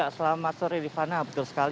selamat sore rifana